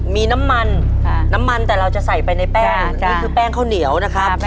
มีน้ำมันน้ำมันแต่เราจะใส่ไปในแป้งนี่คือแป้งข้าวเหนียวนะครับ